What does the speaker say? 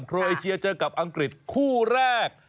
โรเอเชียเจอกับอังกฤษคู่แรก